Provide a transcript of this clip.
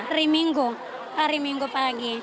hari minggu hari minggu pagi